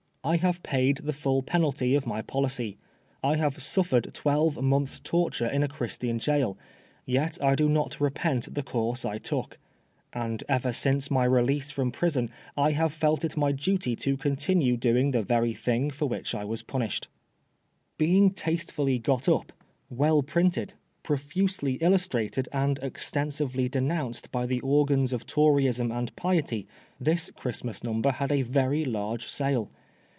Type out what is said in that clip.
I have paid the full penalty of my policy ; I have sufiEered twelve months' torture in a Christian gaol ; yet I do not repent the course I took ; and ever since my release from prison I have felt it my duty to continue doing the very thing for which I was punished. 50 PRISONER FOR BLASPHEMY. Being tastefully got np, well printed, profusely illus trated, and extensively denounced by the organs of Toryism and piety, this Christmas Number had a very large sale.